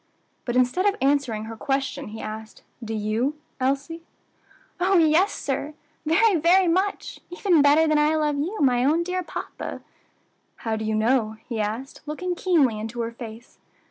But instead of answering her question, he asked, "Do you, Elsie?" "Oh! yes, sir; very very much; even better than I love you, my own dear papa." "How do you know?" he asked, looking keenly into her face.